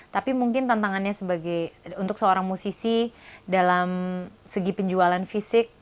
tapi mungkin tantangannya untuk seorang musisi dalam segi penjualan fisik